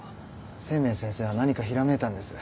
清明先生は何かひらめいたんです。